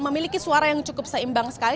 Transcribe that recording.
memiliki suara yang cukup seimbang sekali